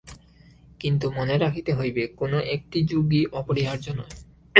কিন্তু মনে রাখিতে হইবে, কোন একটি যোগই অপরিহার্য নয়।